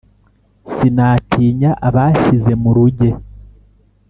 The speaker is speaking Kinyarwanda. sinatinya abashyize mu ruge